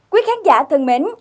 quý khán giả thân mến